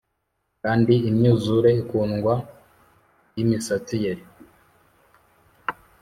kandi imyuzure ikundwa yimisatsi ye.